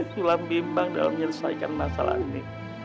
tulang bimbang dalam menyelesaikan masalah ini